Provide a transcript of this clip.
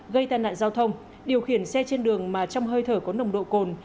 gây tai nạn giao thông điều khiển xe trên đường mà trong hơi thở có nồng độ cồn